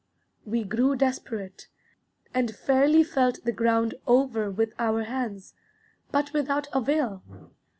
We grew desperate, and fairly felt the ground over with our hands, but without avail.